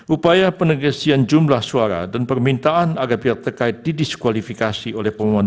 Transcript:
upaya penegasian jumlah suara dan permintaan agar pihak terkait didiskualifikasi oleh pemohon